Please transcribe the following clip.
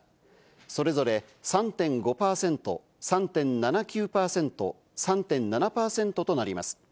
それぞれ３．５％、３．７９％、３．７％となります。